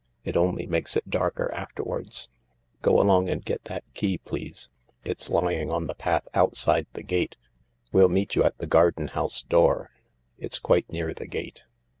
It only makes it darker afterwards. Go along and get that key, please. It's lying on the path outside the gate. We'll meet you at the garden house door. It's quite near the gate."